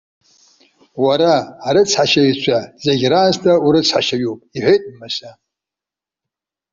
Уара, арыцҳашьаҩцәа зегь раасҭа урыцҳашьаҩуп!- иҳәеит Мыса.